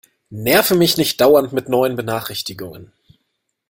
Nerve mich nicht dauernd mit neuen Benachrichtigungen!